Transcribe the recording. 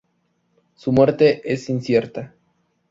Su muerte es incierta.